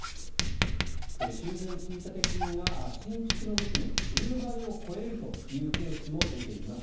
修繕積立金が新築の時の１０倍を超えるというケースも出ています。